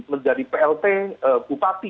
menjadi plt bupati